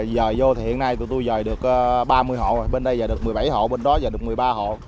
nếu mà dời vô thì hiện nay tụi tui dời được ba mươi hộ bên đây dời được một mươi bảy hộ bên đó dời được một mươi ba hộ